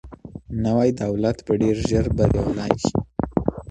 نوی دولت به ډیر ژر بریالی سي.